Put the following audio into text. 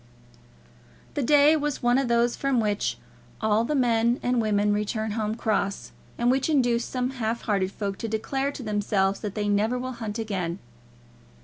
The day was one of those from which all the men and women return home cross, and which induce some half hearted folk to declare to themselves that they never will hunt again.